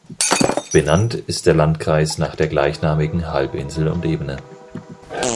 Benannt ist der Landkreis nach der gleichnamigen Halbinsel und Ebene.